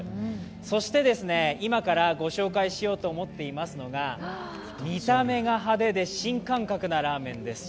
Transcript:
そして今からご紹介しようと思っていますのが、見た目が派手で新感覚なラーメンです。